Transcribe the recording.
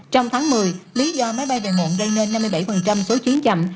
trong tháng một mươi lý do máy bay về muộn gây nên năm mươi bảy số chuyến chậm